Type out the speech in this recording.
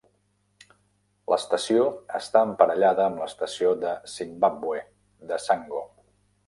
L'estació està emparellada amb l'estació de Zimbabwe de Sango.